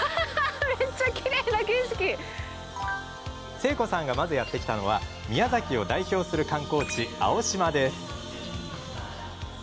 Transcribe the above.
誠子さんがまずやって来たのは宮崎を代表する観光地青島です。